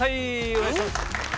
お願いします。